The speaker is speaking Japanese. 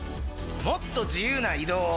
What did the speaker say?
もっと自由な移動を。